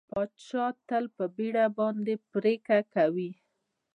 پاچا تل په بېړه باندې پرېکړه کوي کوي.